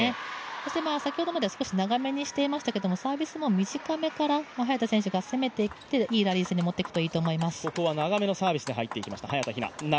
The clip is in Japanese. そして先ほどまでは少し長めにしていましたけど、サービスも短めから早田選手が攻めていって、いいラリー戦にもっていくといいと思います。